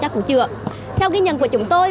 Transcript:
của trường theo ghi nhận của chúng tôi